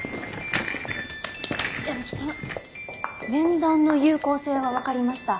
面談の有効性は分かりました。